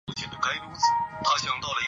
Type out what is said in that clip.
美国音乐家及发明家。